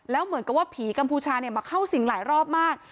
แล้วเหมือนกับว่าผีกัมพูชามาเข้าสิ่งหลายรอบมาก